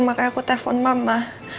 makanya aku telfon mama